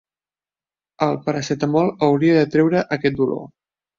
El paracetamol hauria de treure aquest dolor.